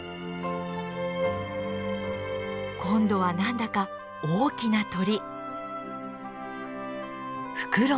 今度は何だか大きな鳥。